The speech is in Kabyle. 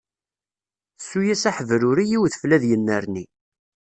Ssu-yas aḥebruri i udfel ad yennerni.